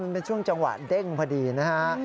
เป็นช่วงจังหวะเด้งพอดีนะฮะ